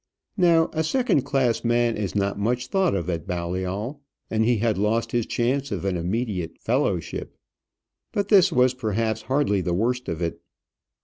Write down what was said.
Now, a second class man is not much thought of at Balliol, and he had lost his chance of an immediate fellowship. But this was perhaps hardly the worst of it.